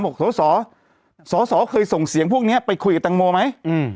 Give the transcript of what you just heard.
บอกสอสอสอสอเคยส่งเสียงพวกเนี้ยไปคุยกับตังโมไหมอืม